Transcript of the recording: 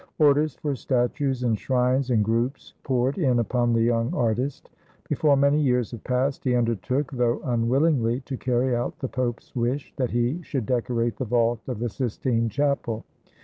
Orders for statues and shrines and groups poured in upon the young artist. Before many years had passed, he undertook, though unwill ingly, to carry out the Pope's wish that he should decorate the vault of the Sistine Chapel.